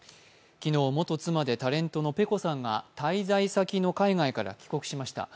昨日、元妻でタレントのｐｅｃｏさんが滞在先の海外から帰国しました。